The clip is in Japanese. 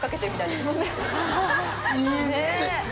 いいね！